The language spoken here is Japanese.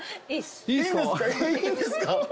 いいんですか？